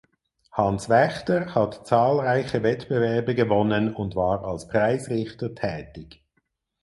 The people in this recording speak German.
Hans Waechter hat zahlreiche Wettbewerbe gewonnen und war als Preisrichter tätig.